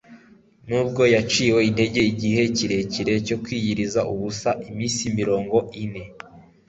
Nubwo yaciwe intege nigihe kirekire cyo kwiyiriza ubusa iminsi mirongo ine